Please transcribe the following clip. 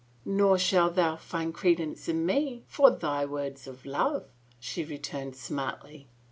" Nor shalt thou find credence in me for thy words of love," she returned smartly.